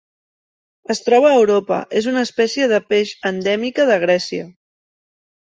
Es troba a Europa: és una espècie de peix endèmica de Grècia.